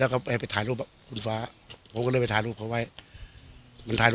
แล้วก็ไปถ่ายรูปอ่ะคุณฟ้าผมก็เลยไปถ่ายรูปกับเข้าไป